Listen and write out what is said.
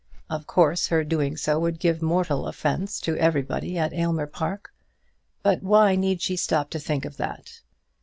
Of course her doing so would give mortal offence to everybody at Aylmer Park; but why need she stop to think of that?